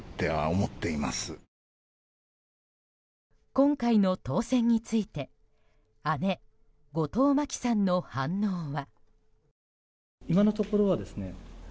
今回の当選について姉・後藤真希さんの反応は。